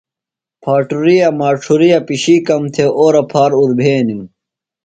پھاٹُریہ، ماڇُھرِیہ پِشِیکم تھےۡ اورہ پھار اُربھینِم۔